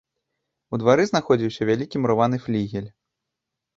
У двары знаходзіўся вялікі мураваны флігель.